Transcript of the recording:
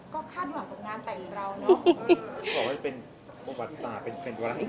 จริงแล้วผลดังได้หลายคนก็คาดหวังกับงานแต่งเราเนอะ